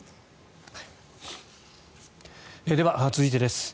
では、続いてです。